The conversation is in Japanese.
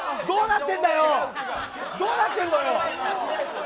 どうなってんだ